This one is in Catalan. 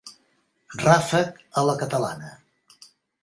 Ràfec a la catalana.